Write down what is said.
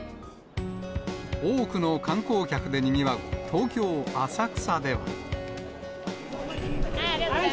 多くの観光客でにぎわう東京・浅草では。